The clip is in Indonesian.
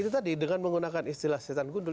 itu tadi dengan menggunakan istilah setan gundul